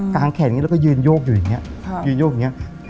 กางแขนแล้วก็ยืนโยกอยี่งี้